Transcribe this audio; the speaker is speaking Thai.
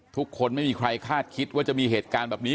ไม่มีใครคาดคิดว่าจะมีเหตุการณ์แบบนี้